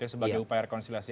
sebagai upaya rekonsiliasi